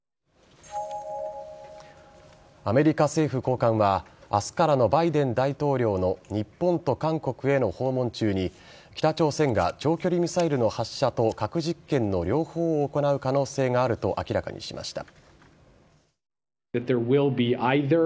アメリカ政府高官は明日からのバイデン大統領の日本と韓国への訪問中に北朝鮮が長距離ミサイルの発射と核実験の両方を行う可能性があると明らかにしました。